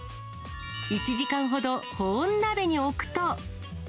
１時間ほど保温鍋に置くと。